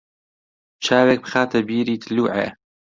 چاوێک بخاتە بیری تلووعێ